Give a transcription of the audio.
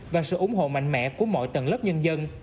và sự ủng hộ mạnh mẽ của mọi tầng lớp nhân dân